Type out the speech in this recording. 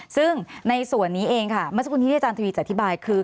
ซึ่งในส่วนนี้เองค่ะมคุณฮิทยาจันทรีย์จะอธิบายคือ